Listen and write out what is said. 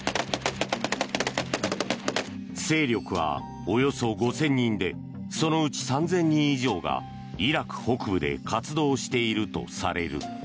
勢力は、およそ５０００人でそのうち３０００人以上がイラク北部で活動しているとされる。